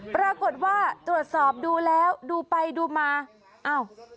ปรากฏว่าตรวจสอบดูแล้วดูไปดูมาอ้าว